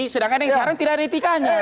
sedangkan yang sekarang tidak ada etikanya